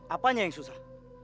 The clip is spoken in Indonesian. apanya yang susah